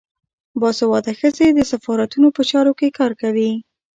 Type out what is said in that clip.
باسواده ښځې د سفارتونو په چارو کې کار کوي.